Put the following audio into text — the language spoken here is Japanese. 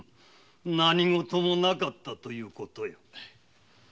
何ごともなかったということよ。